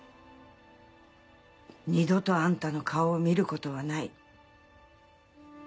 「二度とあんたの顔を見る事はない」。